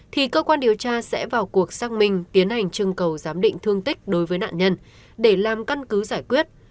thì cơ quan điều tra sẽ vào cuộc xác minh tiến hành trưng cầu giám định thương tích đối với nạn nhân để làm căn cứ giải quyết